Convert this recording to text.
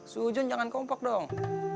sujun jangan kompak dong